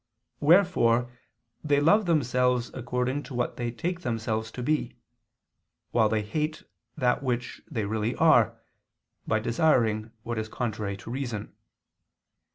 Wherefore they love themselves according to what they take themselves to be, while they hate that which they really are, by desiring what is contrary to reason.